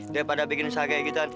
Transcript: daripada bikin usaha kayak gitu kan